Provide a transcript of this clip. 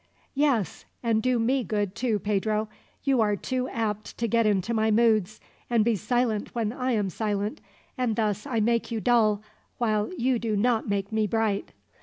"Yes, and do me good, too, Pedro. You are too apt to get into my moods, and be silent when I am silent; and thus I make you dull, while you do not make me bright.